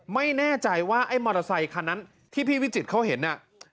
ไม่แน่ใจว่าไอ้มอเตอร์ไซคันนั้นที่พี่วิจิตเขาเห็นน่ะ